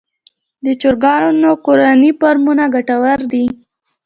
د چرګانو کورني فارمونه ګټور دي